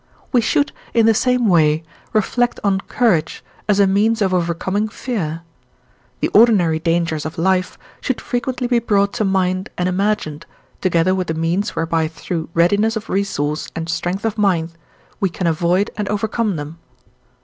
We should, in the same way, reflect on courage as a means of overcoming fear; the ordinary dangers of life should frequently be brought to mind and imagined, together with the means whereby through readiness of resource and strength of mind we can avoid and overcome them.